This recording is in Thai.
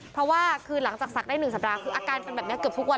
เพราะว่าคือหลังจากศักดิ์ได้๑สัปดาห์คืออาการเป็นแบบนี้เกือบทุกวัน